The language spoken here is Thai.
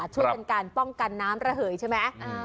ช่วยเป็นการป้องกันน้ำระเหยใช่ไหม